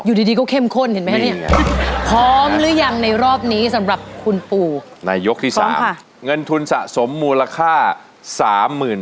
อยู่ดีก็เข้มข้นเห็นมั้ย